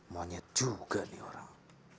monyet juga nih orang